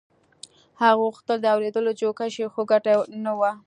هغه غوښتل د اورېدو جوګه شي خو ګټه يې نه وه.